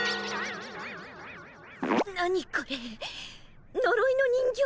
何これのろいの人形？